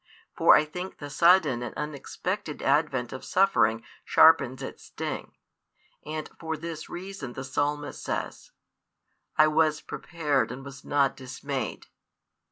For I think the sudden and unexpected advent of suffering sharpens its sting; and for this reason the Psalmist says: I was prepared and was not dismayed.